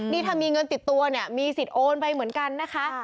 นี่ถ้ามีเงินติดตัวเนี่ยมีสิทธิ์โอนไปเหมือนกันนะคะ